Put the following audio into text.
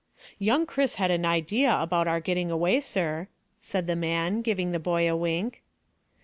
"Young Chris had an idea about our getting away, sir," said the man, giving the boy a wink.